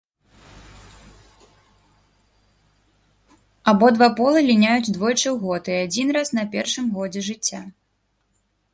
Абодва полы ліняюць двойчы ў год і адзін раз на першым годзе жыцця.